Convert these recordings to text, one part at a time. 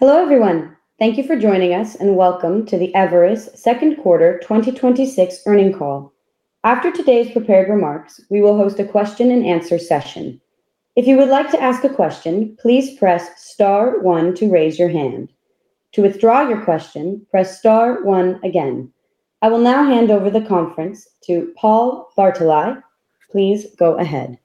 Hello, everyone. Thank you for joining us, and welcome to the Everus Second Quarter 2026 Earnings Call. After today's prepared remarks, we will host a question-and-answer session. If you would like to ask a question, please press star one to raise your hand. To withdraw your question, press star one again. I will now hand over the conference to Paul Bartolai. Please go ahead.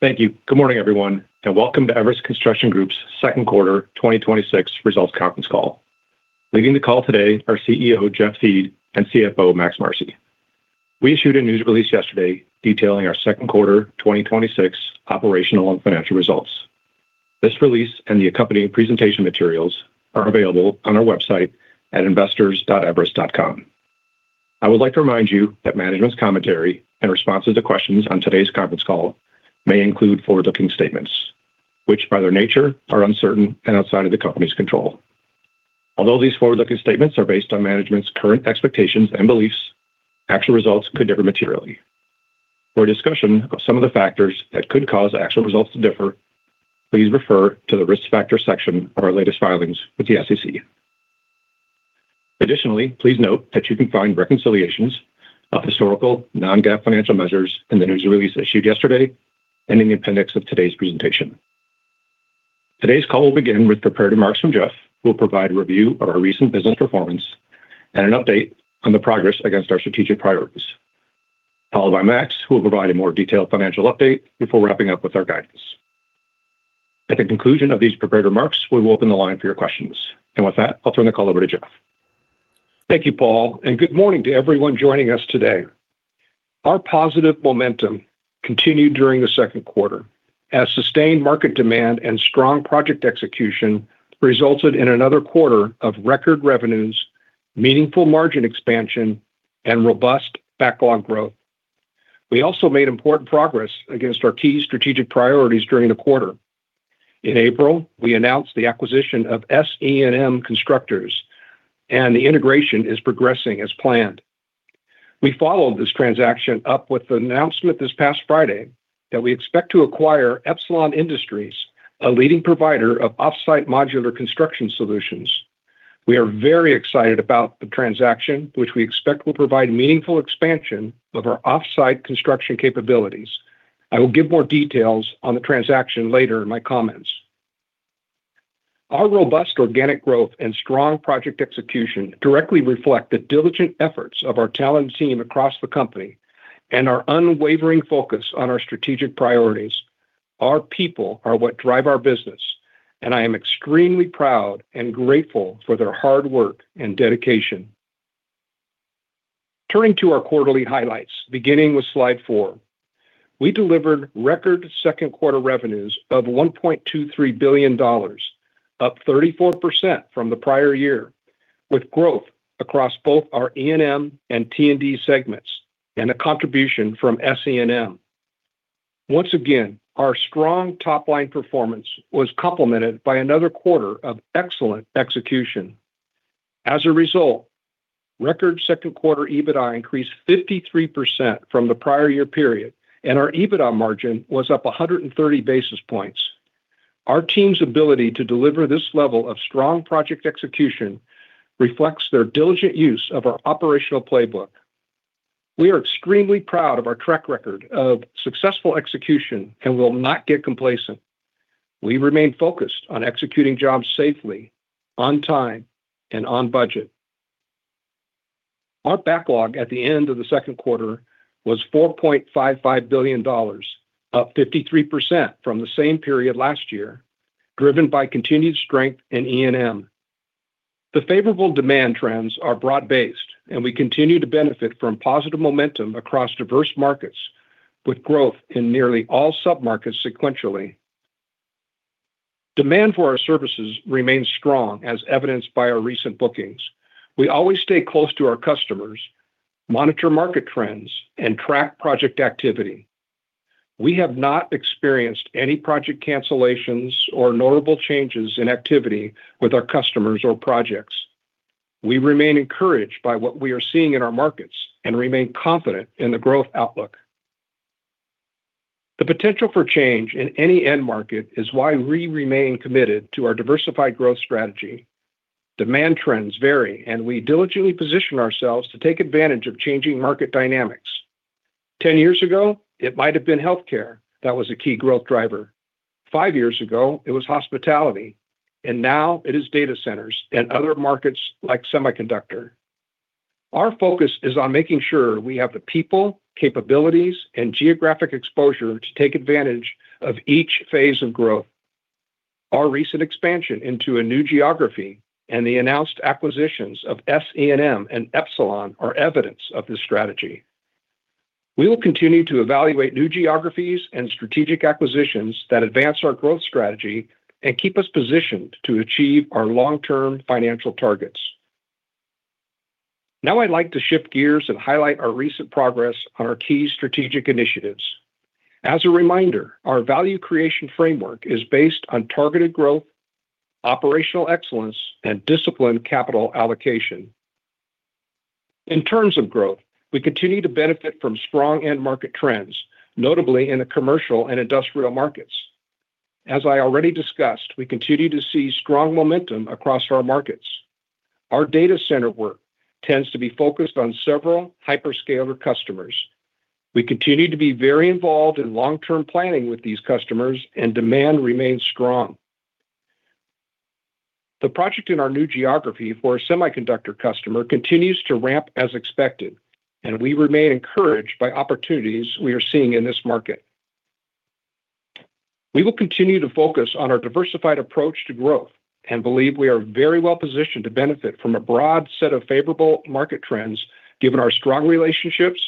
Thank you. Good morning, everyone, welcome to Everus Construction Group's second quarter 2026 results conference call. Leading the call today are CEO, Jeff Thiede, and CFO, Max Marcy. We issued a news release yesterday detailing our second quarter 2026 operational and financial results. This release, and the accompanying presentation materials, are available on our website at investors.everus.com. I would like to remind you that management's commentary and responses to questions on today's conference call may include forward-looking statements, which by their nature are uncertain and outside of the company's control. Although these forward-looking statements are based on management's current expectations and beliefs, actual results could differ materially. For a discussion of some of the factors that could cause actual results to differ, please refer to the Risk Factor section of our latest filings with the SEC. Additionally, please note that you can find reconciliations of historical non-GAAP financial measures in the news release issued yesterday, in the appendix of today's presentation. Today's call will begin with prepared remarks from Jeff, who will provide a review of our recent business performance and an update on the progress against our strategic priorities, followed by Max, who will provide a more detailed financial update before wrapping up with our guidance. At the conclusion of these prepared remarks, we will open the line for your questions. With that, I'll turn the call over to Jeff. Thank you, Paul, Good morning to everyone joining us today. Our positive momentum continued during the second quarter, as sustained market demand and strong project execution resulted in another quarter of record revenues, meaningful margin expansion, and robust backlog growth. We also made important progress against our key strategic priorities during the quarter. In April, we announced the acquisition of SE&M Constructors, the integration is progressing as planned. We followed this transaction up with the announcement this past Friday that we expect to acquire Epsilon Industries, a leading provider of off-site modular construction solutions. We are very excited about the transaction, which we expect will provide meaningful expansion of our off-site construction capabilities. I will give more details on the transaction later in my comments. Our robust organic growth and strong project execution directly reflect the diligent efforts of our talented team across the company and our unwavering focus on our strategic priorities. Our people are what drive our business, and I am extremely proud and grateful for their hard work and dedication. Turning to our quarterly highlights, beginning with slide four. We delivered record second quarter revenues of $1.23 billion, up 34% from the prior year, with growth across both our E&M and T&D segments, and a contribution from SE&M. Once again, our strong top-line performance was complemented by another quarter of excellent execution. As a result, record second quarter EBITDA increased 53% from the prior year period, and our EBITDA margin was up 130 basis points. Our team's ability to deliver this level of strong project execution reflects their diligent use of our operational playbook. We are extremely proud of our track record of successful execution and will not get complacent. We remain focused on executing jobs safely, on time, and on budget. Our backlog at the end of the second quarter was $4.55 billion, up 53% from the same period last year, driven by continued strength in E&M. The favorable demand trends are broad-based, and we continue to benefit from positive momentum across diverse markets, with growth in nearly all submarkets sequentially. Demand for our services remains strong, as evidenced by our recent bookings. We always stay close to our customers, monitor market trends, and track project activity. We have not experienced any project cancellations or notable changes in activity with our customers or projects. We remain encouraged by what we are seeing in our markets and remain confident in the growth outlook. The potential for change in any end market is why we remain committed to our diversified growth strategy. Demand trends vary, and we diligently position ourselves to take advantage of changing market dynamics. 10 years ago, it might have been healthcare that was a key growth driver. Five years ago, it was hospitality, and now it is data centers and other markets like semiconductor. Our focus is on making sure we have the people, capabilities, and geographic exposure to take advantage of each phase of growth. Our recent expansion into a new geography and the announced acquisitions of SE&M and Epsilon are evidence of this strategy. We will continue to evaluate new geographies and strategic acquisitions that advance our growth strategy and keep us positioned to achieve our long-term financial targets. Now I'd like to shift gears and highlight our recent progress on our key strategic initiatives. As a reminder, our value creation framework is based on targeted growth, operational excellence, and disciplined capital allocation. In terms of growth, we continue to benefit from strong end market trends, notably in the commercial and industrial markets. As I already discussed, we continue to see strong momentum across our markets. Our data center work tends to be focused on several hyperscaler customers. We continue to be very involved in long-term planning with these customers and demand remains strong. The project in our new geography for a semiconductor customer continues to ramp as expected, and we remain encouraged by opportunities we are seeing in this market. We will continue to focus on our diversified approach to growth and believe we are very well positioned to benefit from a broad set of favorable market trends given our strong relationships,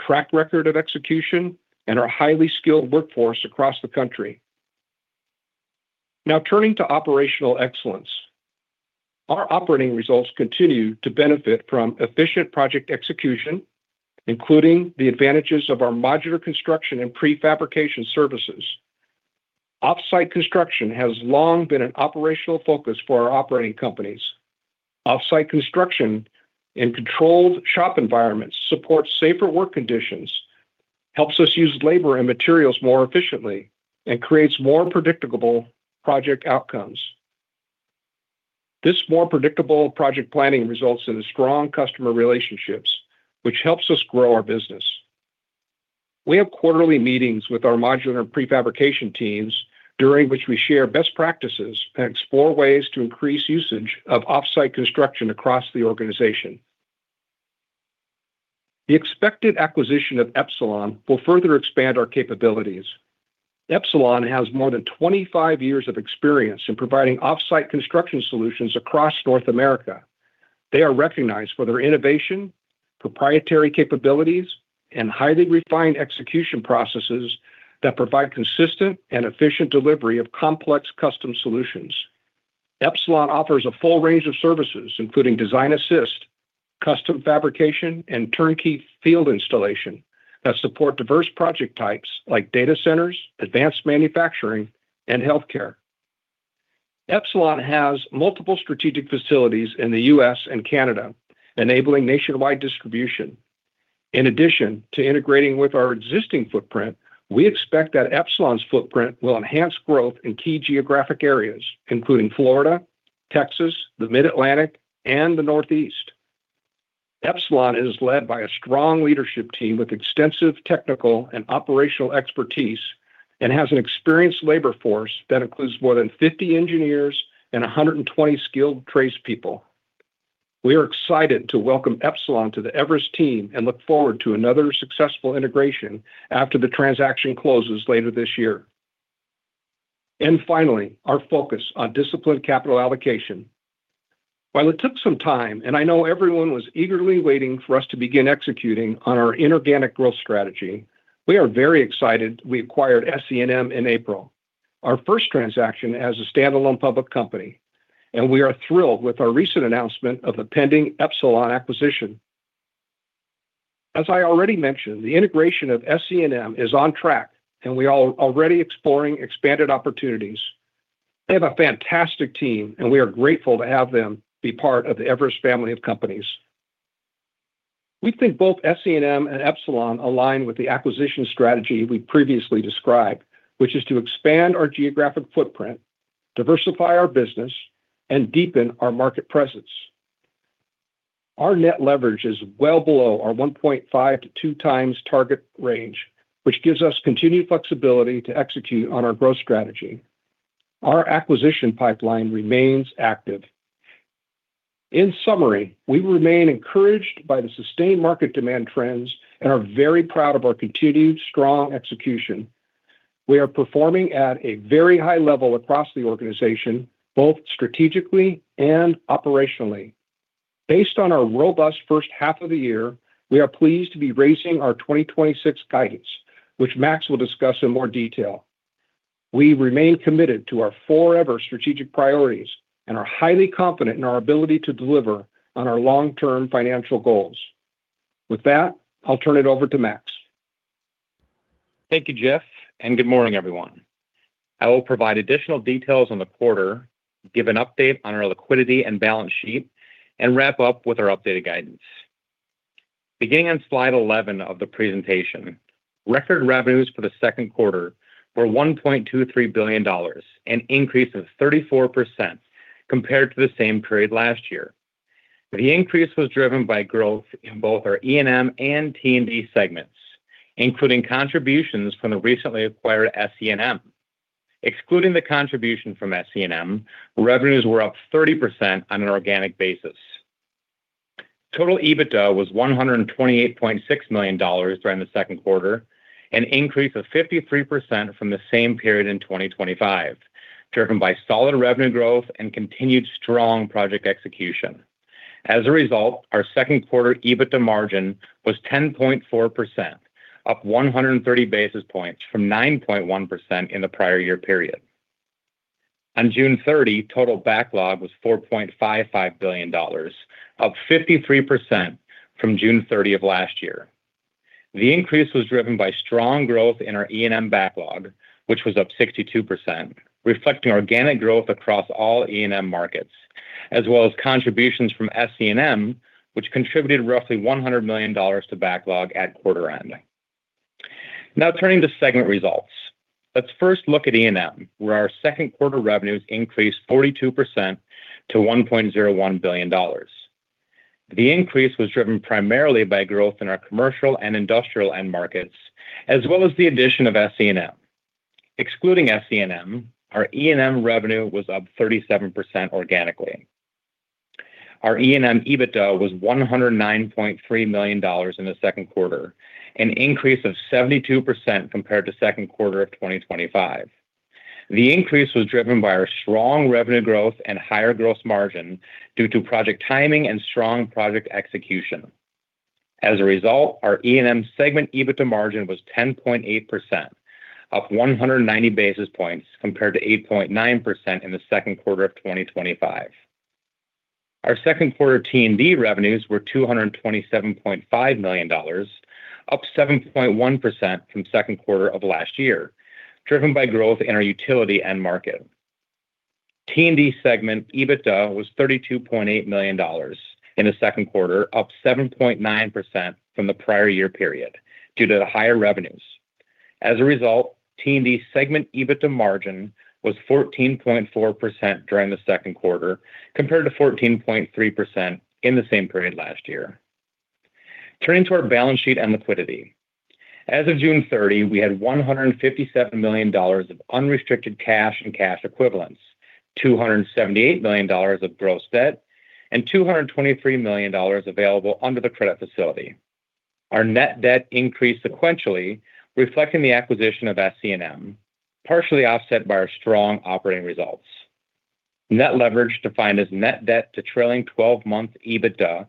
track record of execution, and our highly skilled workforce across the country. Turning to operational excellence. Our operating results continue to benefit from efficient project execution, including the advantages of our modular construction and prefabrication services. Off-site construction has long been an operational focus for our operating companies. Off-site construction in controlled shop environments supports safer work conditions, helps us use labor and materials more efficiently, and creates more predictable project outcomes. This more predictable project planning results in strong customer relationships, which helps us grow our business. We have quarterly meetings with our modular prefabrication teams, during which we share best practices and explore ways to increase usage of off-site construction across the organization. The expected acquisition of Epsilon will further expand our capabilities. Epsilon has more than 25 years of experience in providing off-site construction solutions across North America. They are recognized for their innovation, proprietary capabilities, and highly refined execution processes that provide consistent and efficient delivery of complex custom solutions. Epsilon offers a full range of services, including design assist, custom fabrication, and turnkey field installation that support diverse project types like data centers, advanced manufacturing, and healthcare. Epsilon has multiple strategic facilities in the U.S. and Canada, enabling nationwide distribution. In addition to integrating with our existing footprint, we expect that Epsilon's footprint will enhance growth in key geographic areas, including Florida, Texas, the Mid-Atlantic, and the Northeast. Epsilon is led by a strong leadership team with extensive technical and operational expertise and has an experienced labor force that includes more than 50 engineers and 120 skilled tradespeople. We are excited to welcome Epsilon to the Everus team and look forward to another successful integration after the transaction closes later this year. Finally, our focus on disciplined capital allocation. While it took some time, and I know everyone was eagerly waiting for us to begin executing on our inorganic growth strategy, we are very excited we acquired SE&M in April, our first transaction as a standalone public company, and we are thrilled with our recent announcement of the pending Epsilon acquisition. As I already mentioned, the integration of SE&M is on track, and we are already exploring expanded opportunities. They have a fantastic team, and we are grateful to have them be part of the Everus family of companies. We think both SE&M and Epsilon align with the acquisition strategy we previously described, which is to expand our geographic footprint, diversify our business, and deepen our market presence. Our net leverage is well below our 1.5x-2x target range, which gives us continued flexibility to execute on our growth strategy. Our acquisition pipeline remains active. In summary, we remain encouraged by the sustained market demand trends and are very proud of our continued strong execution. We are performing at a very high level across the organization, both strategically and operationally. Based on our robust first half of the year, we are pleased to be raising our 2026 guidance, which Max will discuss in more detail. We remain committed to our forever strategic priorities and are highly confident in our ability to deliver on our long-term financial goals. With that, I'll turn it over to Max. Thank you, Jeff, and good morning, everyone. I will provide additional details on the quarter, give an update on our liquidity and balance sheet, and wrap up with our updated guidance. Beginning on slide 11 of the presentation, record revenues for the second quarter were $1.23 billion, an increase of 34% compared to the same period last year. The increase was driven by growth in both our E&M and T&D segments, including contributions from the recently acquired SE&M. Excluding the contribution from SE&M, revenues were up 30% on an organic basis. Total EBITDA was $128.6 million during the second quarter, an increase of 53% from the same period in 2025, driven by solid revenue growth and continued strong project execution. As a result, our second quarter EBITDA margin was 10.4%, up 130 basis points from 9.1% in the prior year period. On June 30, total backlog was $4.55 billion, up 53% from June 30 of last year. The increase was driven by strong growth in our E&M backlog, which was up 62%, reflecting organic growth across all E&M markets, as well as contributions from SE&M, which contributed roughly $100 million to backlog at quarter ending. Turning to segment results. Let's first look at E&M, where our second quarter revenues increased 42% to $1.01 billion. The increase was driven primarily by growth in our commercial and industrial end markets, as well as the addition of SE&M. Excluding SE&M, our E&M revenue was up 37% organically. Our E&M EBITDA was $109.3 million in the second quarter, an increase of 72% compared to second quarter of 2025. The increase was driven by our strong revenue growth and higher gross margin due to project timing and strong project execution. As a result, our E&M segment EBITDA margin was 10.8%, up 190 basis points compared to 8.9% in the second quarter of 2025. Our second quarter T&D revenues were $227.5 million, up 7.1% from second quarter of last year, driven by growth in our utility end market. T&D segment EBITDA was $32.8 million in the second quarter, up 7.9% from the prior year period due to the higher revenues. As a result, T&D segment EBITDA margin was 14.4% during the second quarter, compared to 14.3% in the same period last year. Turning to our balance sheet and liquidity. As of June 30, we had $157 million of unrestricted cash and cash equivalents, $278 million of gross debt, and $223 million available under the credit facility. Our net debt increased sequentially, reflecting the acquisition of SE&M, partially offset by our strong operating results. Net leverage, defined as net debt to trailing 12-month EBITDA,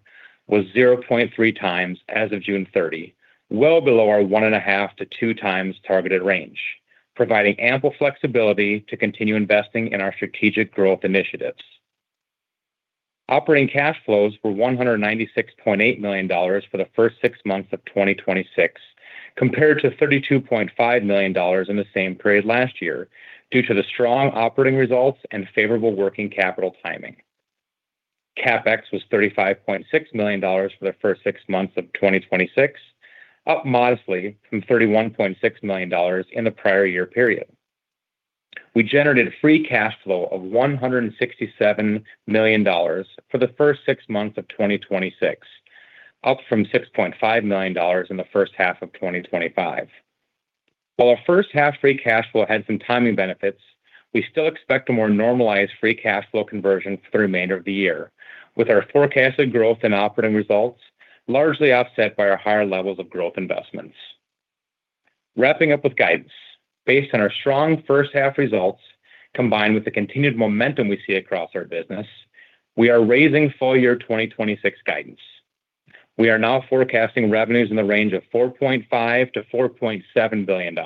was 0.3x as of June 30, well below our 1.5x-2x targeted range, providing ample flexibility to continue investing in our strategic growth initiatives. Operating cash flows were $196.8 million for the first six months of 2026, compared to $32.5 million in the same period last year due to the strong operating results and favorable working capital timing. CapEx was $35.6 million for the first six months of 2026, up modestly from $31.6 million in the prior year period. We generated free cash flow of $167 million for the first six months of 2026, up from $6.5 million in the first half of 2025. While our first half free cash flow had some timing benefits, we still expect a more normalized free cash flow conversion for the remainder of the year, with our forecasted growth and operating results largely offset by our higher levels of growth investments. Wrapping up with guidance. Based on our strong first half results, combined with the continued momentum we see across our business, we are raising full year 2026 guidance. We are now forecasting revenues in the range of $4.5 billion-$4.7 billion,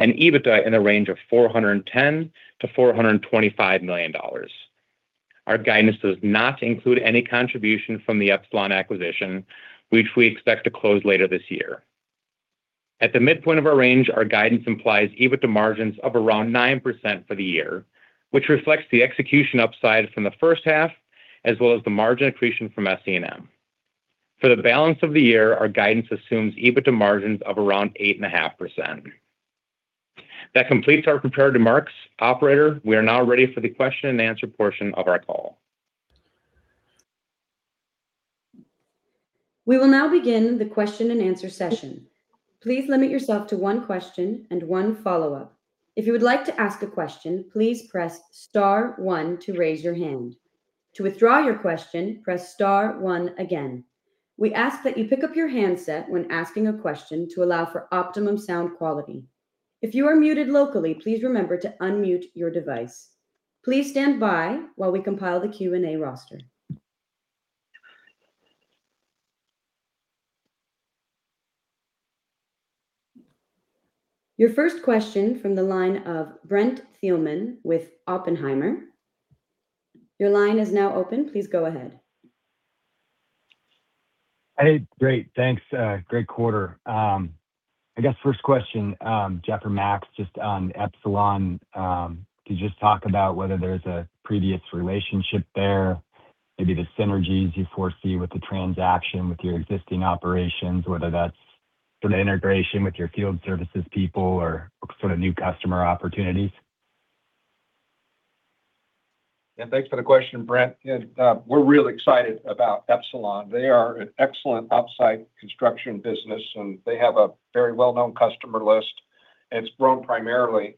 and EBITDA in the range of $410 million-$425 million. Our guidance does not include any contribution from the Epsilon acquisition, which we expect to close later this year. At the midpoint of our range, our guidance implies EBITDA margins of around 9% for the year, which reflects the execution upside from the first half, as well as the margin accretion from SE&M. For the balance of the year, our guidance assumes EBITDA margins of around 8.5%. That completes our prepared remarks. Operator, we are now ready for the question-and-answer portion of our call. We will now begin the question-and-answer session. Please limit yourself to one question and one follow-up. If you would like to ask a question, please press star one to raise your hand. To withdraw your question, press star one again. We ask that you pick up your handset when asking a question to allow for optimum sound quality. If you are muted locally, please remember to unmute your device. Please stand by while we compile the Q&A roster. Your first question from the line of Brent Thielman with Oppenheimer. Your line is now open. Please go ahead. Hey, great. Thanks. Great quarter. I guess first question, Jeff or Max, just on Epsilon. Can you just talk about whether there's a previous relationship there, maybe the synergies you foresee with the transaction with your existing operations, whether that's sort of integration with your field services people or sort of new customer opportunities? Thanks for the question, Brent. We're real excited about Epsilon. They are an excellent off-site construction business, and they have a very well-known customer list, and it's grown primarily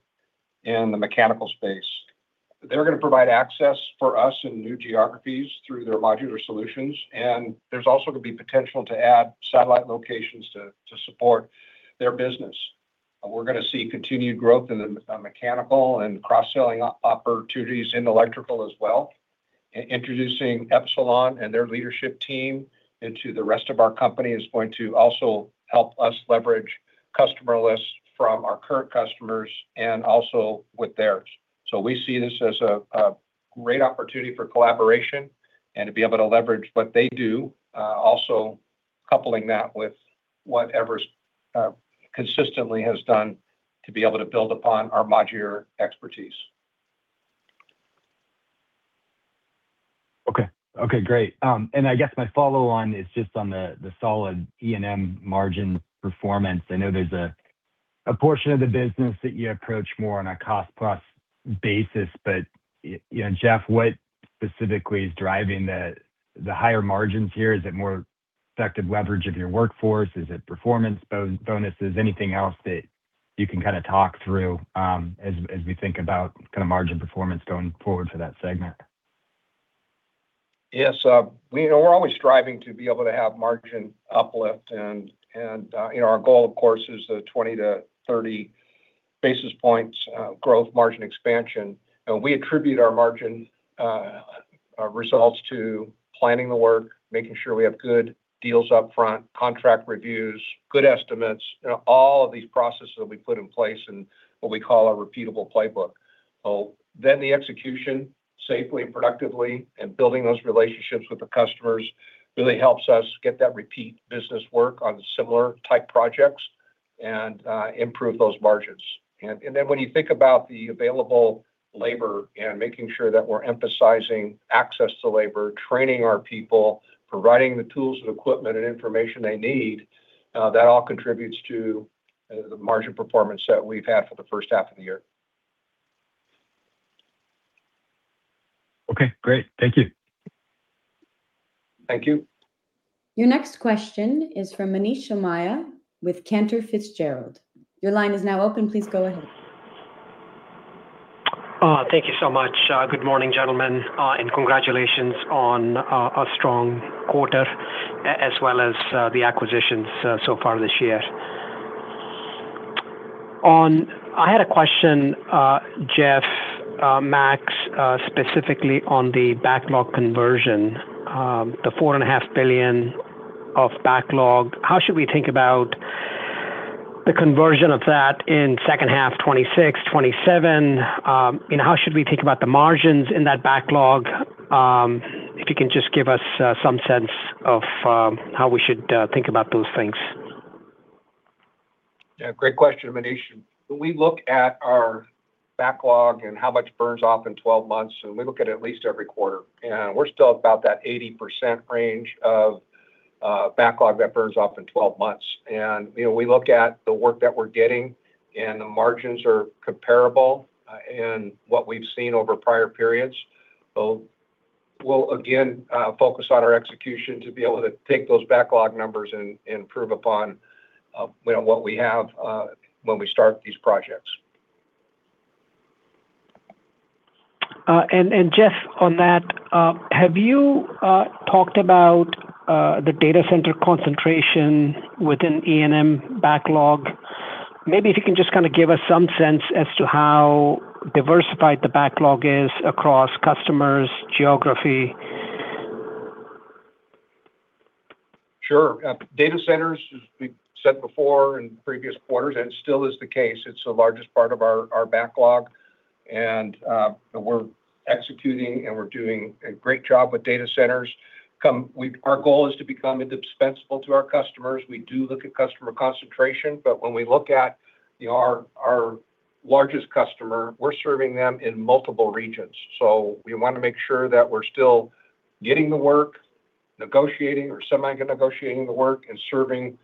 in the mechanical space. They're going to provide access for us in new geographies through their modular solutions, and there's also going to be potential to add satellite locations to support their business. We're going to see continued growth in the mechanical and cross-selling opportunities in electrical as well. Introducing Epsilon and their leadership team into the rest of our company is going to also help us leverage customer lists from our current customers and also with theirs. We see this as a great opportunity for collaboration and to be able to leverage what they do. Also coupling that with what Everus consistently has done to be able to build upon our modular expertise. Okay, great. I guess my follow-on is just on the solid E&M margin performance. I know there's a portion of the business that you approach more on a cost-plus basis, but Jeff, what specifically is driving the higher margins here? Is it more effective leverage of your workforce? Is it performance bonuses? Anything else that you can talk through as we think about margin performance going forward for that segment? Yes. We're always striving to be able to have margin uplift and our goal, of course, is the 20-30 basis points growth margin expansion. We attribute our margin results to planning the work, making sure we have good deals upfront, contract reviews, good estimates, all of these processes that we put in place in what we call our repeatable playbook. The execution, safely and productively, and building those relationships with the customers really helps us get that repeat business work on similar type projects and improve those margins. When you think about the available labor and making sure that we're emphasizing access to labor, training our people, providing the tools and equipment and information they need, that all contributes to the margin performance that we've had for the first half of the year. Okay, great. Thank you. Thank you. Your next question is from Manish Somaiya with Cantor Fitzgerald. Your line is now open, please go ahead. Thank you so much. Good morning, gentlemen, and congratulations on a strong quarter as well as the acquisitions so far this year. I had a question, Jeff, Max, specifically on the backlog conversion, the $4.5 billion of backlog. How should we think about the conversion of that in second half 2026, 2027? How should we think about the margins in that backlog? If you can just give us some sense of how we should think about those things. Yeah, great question, Manish. When we look at our backlog and how much burns off in 12 months, and we look at it at least every quarter, we're still about that 80% range of backlog that burns off in 12 months. We look at the work that we're getting, and the margins are comparable in what we've seen over prior periods. We'll again focus on our execution to be able to take those backlog numbers and improve upon what we have when we start these projects. Jeff, on that, have you talked about the data center concentration within E&M backlog? Maybe if you can just give us some sense as to how diversified the backlog is across customers, geography. Sure. Data centers, as we've said before in previous quarters, it still is the case, it's the largest part of our backlog. We're executing, and we're doing a great job with data centers. Our goal is to become indispensable to our customers. We do look at customer concentration, but when we look at our largest customer, we're serving them in multiple regions. We want to make sure that we're still getting the work, negotiating or semi-negotiating the work, and serving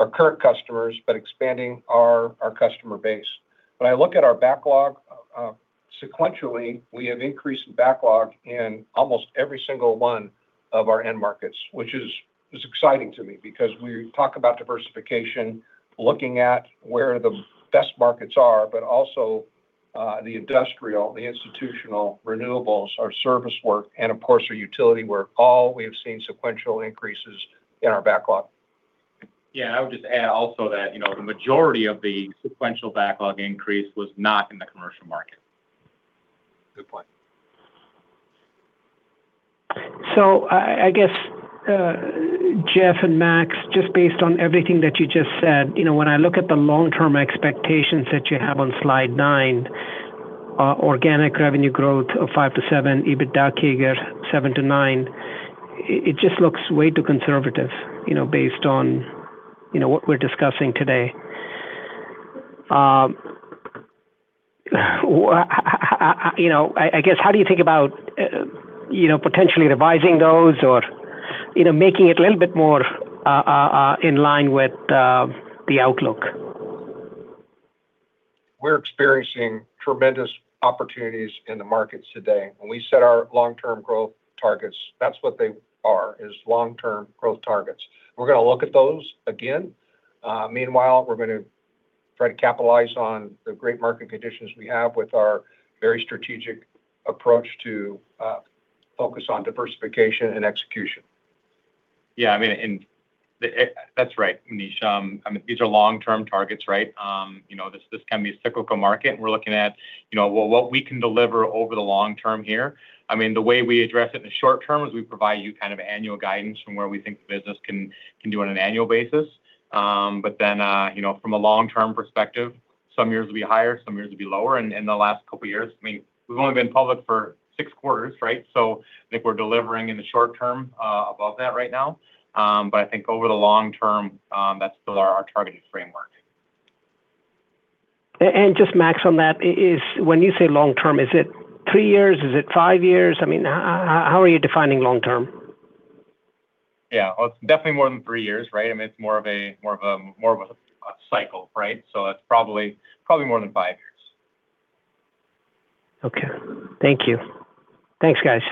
our current customers, but expanding our customer base. When I look at our backlog, sequentially, we have increased backlog in almost every single one of our end markets, which is exciting to me because we talk about diversification, looking at where the best markets are, but also the industrial, the institutional, renewables, our service work, and of course, our utility work, all we have seen sequential increases in our backlog. Yeah, I would just add also that the majority of the sequential backlog increase was not in the commercial market. Good point. I guess, Jeff and Max, just based on everything that you just said, when I look at the long-term expectations that you have on slide nine, organic revenue growth of 5%-7%, EBITDA CAGR 7%-9%, it just looks way too conservative based on what we're discussing today. I guess, how do you think about potentially revising those or making it a little bit more in line with the outlook? We're experiencing tremendous opportunities in the markets today. When we set our long-term growth targets, that's what they are, is long-term growth targets. We're going to look at those again. Meanwhile, we're going to try to capitalize on the great market conditions we have with our very strategic approach to focus on diversification and execution. That's right, Manish. These are long-term targets, right? This can be a cyclical market, and we're looking at what we can deliver over the long term here. The way we address it in the short term is we provide you annual guidance from where we think the business can do on an annual basis. From a long-term perspective. Some years will be higher, some years will be lower. In the last couple years, we've only been public for six quarters, right? I think we're delivering in the short term above that right now. I think over the long term, that's still our targeted framework. Just, Max, on that, when you say long term, is it three years? Is it five years? How are you defining long term? Yeah. It's definitely more than three years, right? It's more of a cycle, right? It's probably more than five years. Okay. Thank you. Thanks, guys.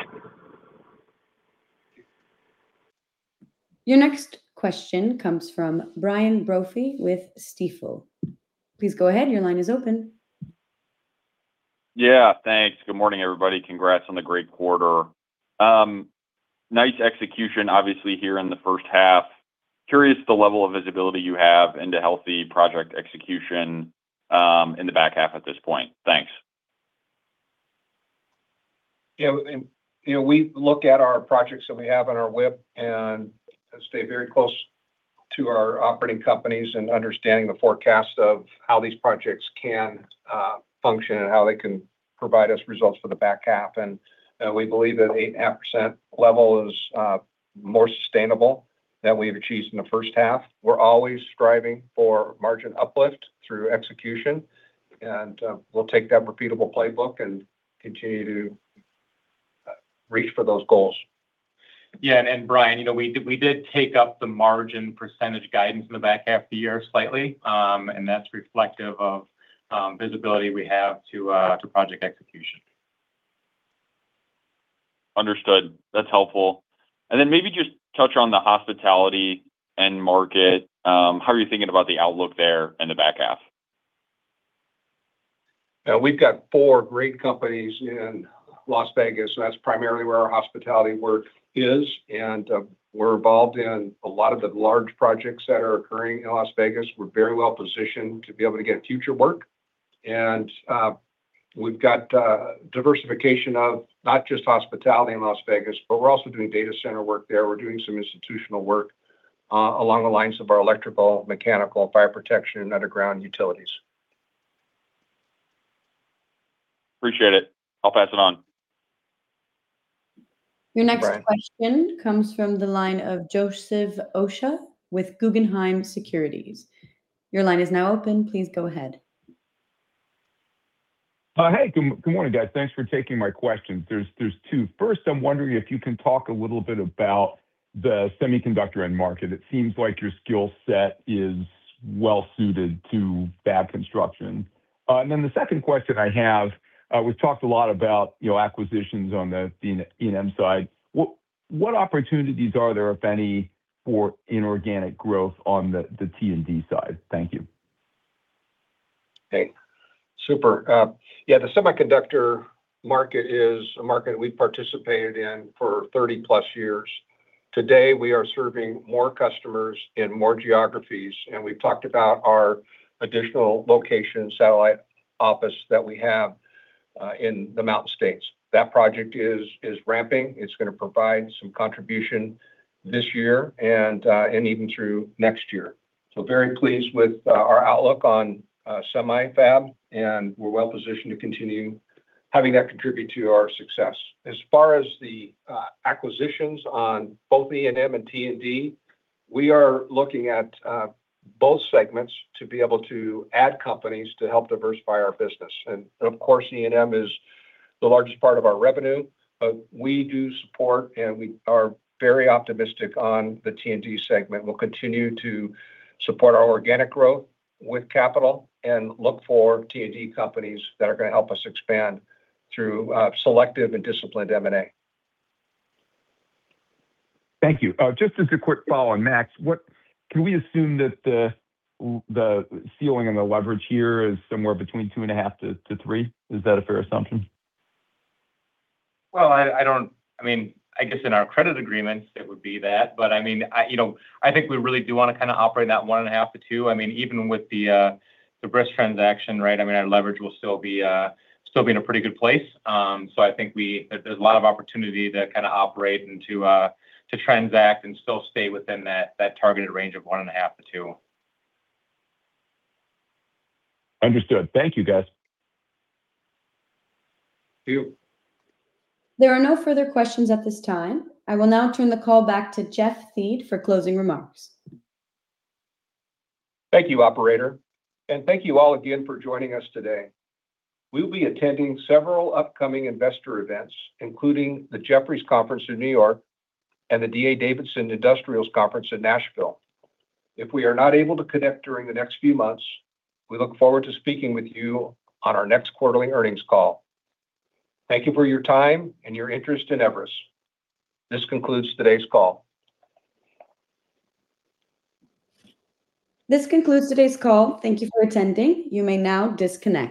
Your next question comes from Brian Brophy with Stifel. Please go ahead, your line is open. Yeah, thanks. Good morning, everybody. Congrats on the great quarter. Nice execution, obviously, here in the first half. Curious the level of visibility you have into healthy project execution in the back half at this point. Thanks. Yeah. We look at our projects that we have on our WIP and stay very close to our operating companies in understanding the forecast of how these projects can function and how they can provide us results for the back half. We believe that 8.5% level is more sustainable than we've achieved in the first half. We're always striving for margin uplift through execution, and we'll take that repeatable playbook and continue to reach for those goals. Yeah. Brian, we did take up the margin percentage guidance in the back half of the year slightly. That's reflective of visibility we have to project execution. Understood. That's helpful. Maybe just touch on the hospitality end market. How are you thinking about the outlook there in the back half? We've got four great companies in Las Vegas, that's primarily where our hospitality work is. We're involved in a lot of the large projects that are occurring in Las Vegas. We're very well positioned to be able to get future work. We've got diversification of not just hospitality in Las Vegas, but we're also doing data center work there. We're doing some institutional work along the lines of our electrical, mechanical, fire protection, and underground utilities. Appreciate it. I'll pass it on. Your next question comes from the line of Joseph Osha with Guggenheim Securities. Your line is now open. Please go ahead. Hey, good morning, guys. Thanks for taking my questions. There's two. First, I'm wondering if you can talk a little bit about the semiconductor end market. It seems like your skill set is well-suited to fab construction. Then the second question I have, we've talked a lot about acquisitions on the E&M side. What opportunities are there, if any, for inorganic growth on the T&D side? Thank you. Thanks. Super. Yeah, the semiconductor market is a market we've participated in for 30+ years. Today, we are serving more customers in more geographies, and we've talked about our additional location satellite office that we have in the Mountain States. That project is ramping. It's going to provide some contribution this year, and even through next year. Very pleased with our outlook on semi fab, and we're well positioned to continue having that contribute to our success. As far as the acquisitions on both E&M and T&D, we are looking at both segments to be able to add companies to help diversify our business. Of course, E&M is the largest part of our revenue, but we do support and we are very optimistic on the T&D segment. We'll continue to support our organic growth with capital and look for T&D companies that are going to help us expand through selective and disciplined M&A. Thank you. Just as a quick follow on, Max, can we assume that the ceiling on the leverage here is somewhere between 2.5x-3x? Is that a fair assumption? I guess in our credit agreements, it would be that, I think we really do want to operate in that 1.5x-2x. Even with the [brisk] transaction, our leverage will still be in a pretty good place. I think there's a lot of opportunity to operate and to transact and still stay within that targeted range of 1.5x-2x. Understood. Thank you, guys. Thank you. There are no further questions at this time. I will now turn the call back to Jeff Thiede for closing remarks. Thank you, operator. Thank you all again for joining us today. We'll be attending several upcoming investor events, including the Jefferies Conference in New York and the D.A. Davidson Industrials Conference in Nashville. If we are not able to connect during the next few months, we look forward to speaking with you on our next quarterly earnings call. Thank you for your time and your interest in Everus. This concludes today's call. This concludes today's call. Thank you for attending. You may now disconnect.